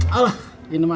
alah gini ma